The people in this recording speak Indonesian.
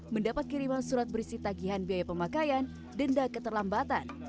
mendapat kiriman surat berisi tagihan biaya pemakaian denda keterlambatan